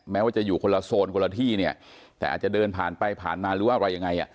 แม้ว่าจะอยู่คนละโซนคนละที่เนี่ยแต่อาจจะเดินผ่านไปผ่านมาหรือว่าอะไรยังไง